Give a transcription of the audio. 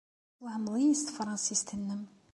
Teswehmed-iyi s tefṛensist-nnem.